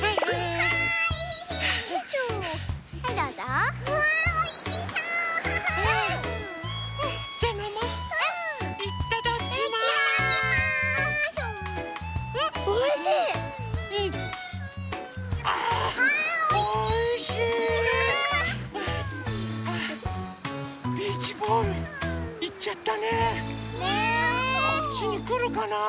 こっちにくるかなあ。